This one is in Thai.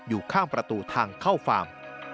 อยู่ข้างประตูทางเข้าฟาร์ม